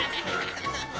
アハハハハ！